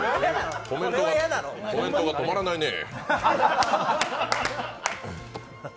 コメントが止まらないねぇ。